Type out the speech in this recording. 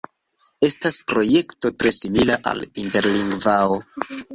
Estas projekto tre simila al Interlingvao.